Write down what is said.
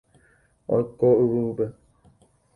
Oiko yvyguýpe.